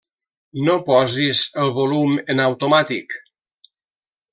No posis el volum en automàtic.